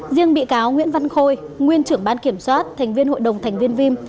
riêng bị cáo nguyễn văn khôi nguyên trưởng ban kiểm soát thành viên hội đồng thành viên vim